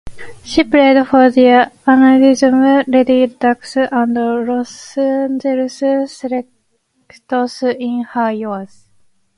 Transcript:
She played for the Anaheim Lady Ducks and Los Angeles Selects in her youth.